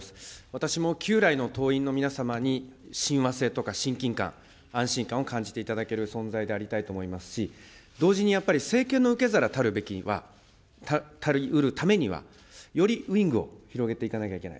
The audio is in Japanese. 私も旧来の党員の皆様に親和性とか親近感、安心感を感じていただける存在でありたいと思いますし、同時にやっぱり、政権の受け皿たりうるためには、よりウイングを広げていかなければいけない。